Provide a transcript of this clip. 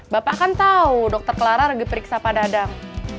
bapak kan tahu dokter klara lagi periksa pada dadang